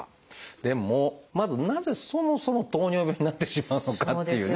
でもまずなぜそもそも糖尿病になってしまうのかっていうね。